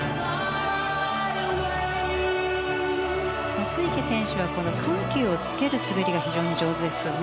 松生選手はこの緩急をつける滑りが非常に上手ですね。